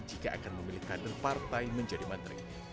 jika akan memilih kader partai menjadi menteri